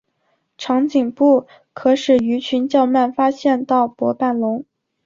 长颈部可使鱼群较慢发现到薄板龙。